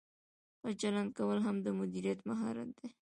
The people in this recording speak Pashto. ښه چلند کول هم د مدیر مهارت دی.